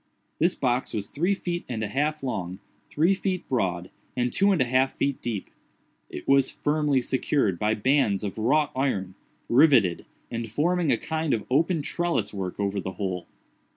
This box was three feet and a half long, three feet broad, and two and a half feet deep. It was firmly secured by bands of wrought iron, riveted, and forming a kind of open trelliswork over the whole.